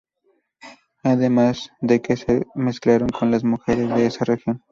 Además de que se mezclaron con las mujeres de esa región.